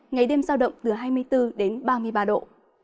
ngày đêm giao động từ hai mươi bốn đến ba mươi ba độ